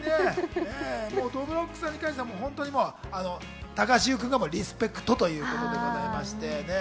どぶろっくさんに関しては高橋優君がリスペクトということでございまして。